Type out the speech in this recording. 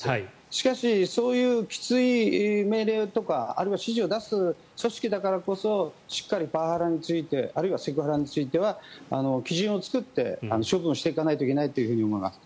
しかし、そういうきつい命令とかあるいは指示を出す組織だからこそしっかりパワハラについてあるいはセクハラについては基準を作って処分していかないといけないと思います。